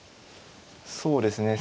そうですね